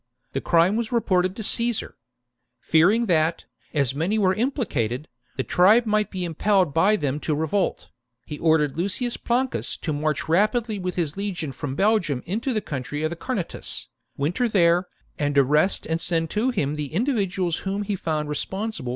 The crime was reported to Caesar. Fearing that, as many were implicated, the tribe might be impelled by them 4^ to revolt, he ordered Lucius Plancus to march rapidly with his legion from Belgium into the country of the Carnutes, winter there, and arrest md send to him the individuals whom he found rtsponsible for Tasgetius's death.